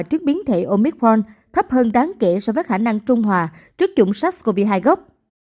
trước biến thể omicmon thấp hơn đáng kể so với khả năng trung hòa trước chủng sars cov hai gốc